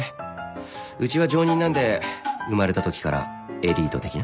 うちは上忍なんで生まれたときからエリート的な。